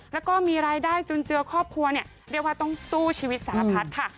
แล้วก็มีรายได้จุนเจือครอบครัวเนี่ยเรียกว่าต้องสู้ชีวิตสารพัดค่ะ